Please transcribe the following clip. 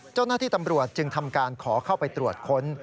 เจ้าหน้าที่ตำรวจจึงทำการขอเข้าไปตรวจค้น